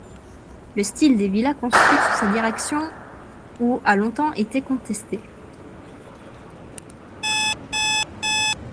Le style des villas construites sous sa direction où a longtemps été contesté.